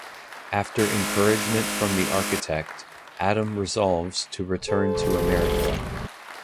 After encouragement from the architect, Adam resolves to return to America.